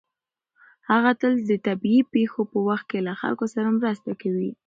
هغه تل د طبیعي پېښو په وخت کې له خلکو سره مرسته کوي.